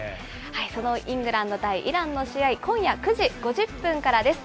そのイングランド対イランの試合、今夜９時５０分からです。